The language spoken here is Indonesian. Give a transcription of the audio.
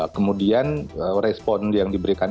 kemudian respon yang diberikan